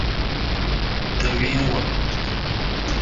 Rutabingwa